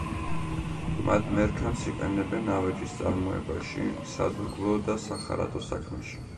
მათ მერქანს იყენებენ ავეჯის წარმოებაში, სადურგლო და სახარატო საქმეში.